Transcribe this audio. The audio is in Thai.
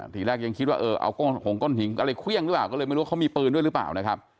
ทีแรกยังคิดว่าเออเอาก้นหงก้นหินอะไรเครื่องหรือเปล่าก็เลยไม่รู้ว่าเขามีปืนด้วยหรือเปล่านะครับ